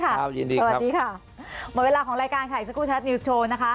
ครับยินดีครับสวัสดีค่ะหมดเวลาของรายการค่ะอีกสักครู่ท่านับนิวส์โชว์นะคะ